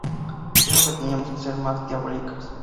Dijo que teníamos que ser más diabólicos.